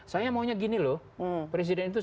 saya maunya gini loh presiden itu